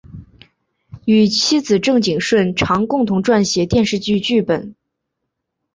与妻子郑景顺常共同撰写电视剧剧本。